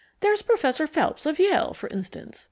There's Professor Phelps of Yale, for instance.